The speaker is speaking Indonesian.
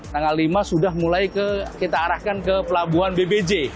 tanggal lima sudah mulai kita arahkan ke pelabuhan bbj